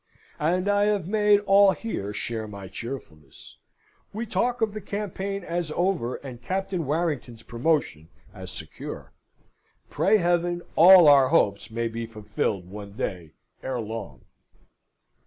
And I have made all here share my cheerfulness. We talk of the campaign as over, and Captain Warrington's promotion as secure. Pray Heaven, all our hopes may be fulfilled one day ere long.